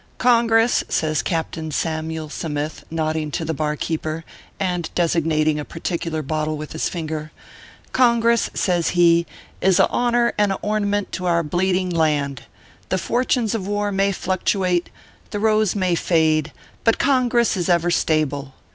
" Congress/ says Captain Samyule Sa mith, nodding to the bar keeper, and designating a particular bottle with his finger " Congress/ says he, "is a honor and a ornament to our bleeding land. The fortunes of war may fluctuate, the rose may fade ; but Congress is ever stable.